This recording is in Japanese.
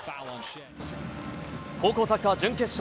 高校サッカー準決勝。